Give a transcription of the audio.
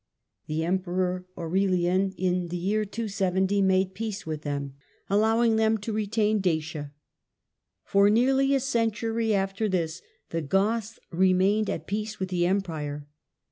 The Emperor Aurelian, in the year 270, made peace with them, allowing them to retain Dacia. For nearly a century after this the Goths remained at peace with the Empire.